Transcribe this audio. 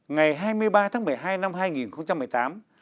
ngày hai mươi ba tháng một mươi hai năm hai nghìn một mươi tám